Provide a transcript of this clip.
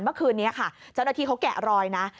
เมื่อคืนนี้ค่ะเจ้าหน้าที่เขาแกะรอยนะ